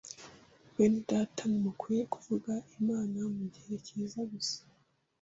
bene data ntimukwiye kuvuga Imana mu gihe cyiza gusa,